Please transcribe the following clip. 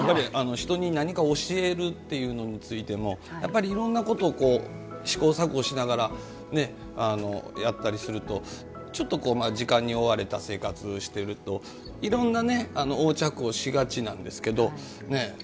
人に何かを教えるっていうのについてもいろんなことを試行錯誤しながらやったりするとちょっと時間に追われた生活してると、いろんな横着をしがちなんですけど。